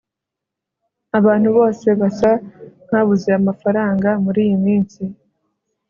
abantu bose basa nkabuze amafaranga muriyi minsi